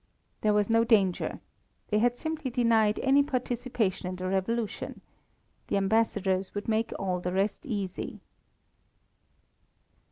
There was no danger. They had simply denied any participation in the revolution. The ambassadors would make all the rest easy.